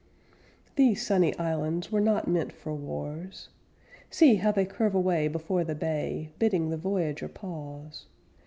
These sunny islands were not meant for wars; See, how they curve away Before the bay, Bidding the voyager pause.